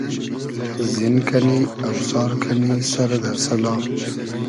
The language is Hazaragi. زین کئنی , اۆسار کئنی سئر دۂ سئلا